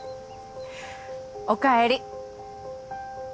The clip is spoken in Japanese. おかえり。